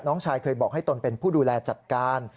น้องชายเคยบอกให้ตนเป็นผู้ดูแลจัดการ